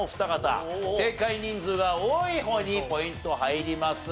正解人数が多い方にポイント入ります。